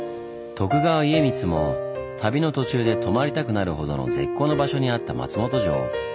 徳川家光も旅の途中で泊まりたくなるほどの絶好の場所にあった松本城。